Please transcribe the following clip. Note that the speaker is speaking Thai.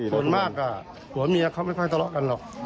ส่วนมากผัวเมียเขาไม่ค่อยทะเลาะกันหรอก